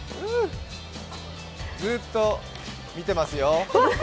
ずーっと見てますよ。